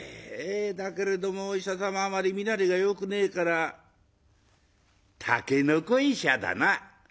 だけれどもお医者様あまり身なりがよくねえからたけのこ医者だな」。